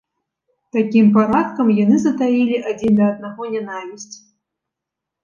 Такім парадкам яны затаілі адзін да аднаго нянавісць.